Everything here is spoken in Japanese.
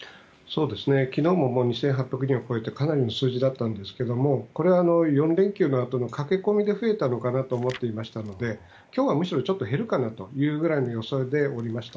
昨日も２８００人を超えてかなりの数字だったんですが４連休のあとの駆け込みで増えたのかなと思っていましたので今日はむしろちょっと減るかなというくらいの予想でおりました。